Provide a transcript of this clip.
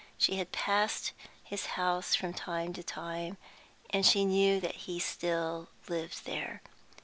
She had passed his house from time to time, and knew that he still lived there.